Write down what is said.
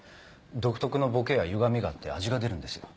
独特のボケや歪みがあって味が出るんですよ。